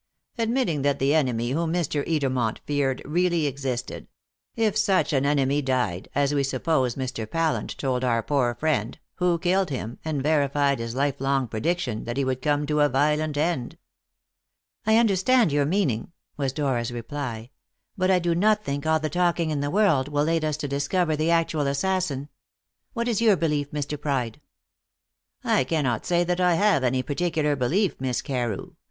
Admitting that the enemy whom Mr. Edermont feared really existed: if such enemy died, as we suppose Mr. Pallant told our poor friend, who killed him, and verified his lifelong prediction that he would come to a violent end?" "I understand your meaning," was Dora's reply; "but I do not think all the talking in the world will aid us to discover the actual assassin. What is your belief, Mr. Pride?" "I cannot say that I have any particular belief, Miss Carew.